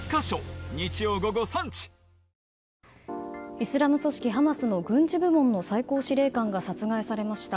イスラム組織ハマスの軍事部門の最高司令官が殺害されました。